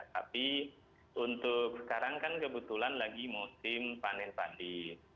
tapi untuk sekarang kan kebetulan lagi musim panen panen